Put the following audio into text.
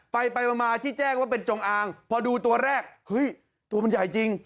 ไปไปมาที่แจ้งว่าเป็นจงอางพอดูตัวแรกเฮ้ยตัวมันใหญ่จริง